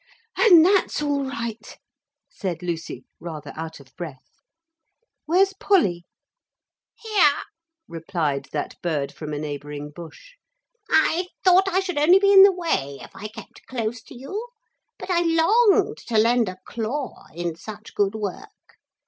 'And that's all right,' said Lucy, rather out of breath. 'Where's Polly?' 'Here,' replied that bird from a neighbouring bush. 'I thought I should only be in the way if I kept close to you. But I longed to lend a claw in such good work.